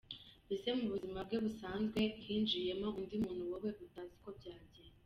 Mbese mu buzima bwe busanzwe hinjiyemo undi muntu wowe utazi uko byagenze.